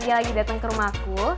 dia lagi datang ke rumahku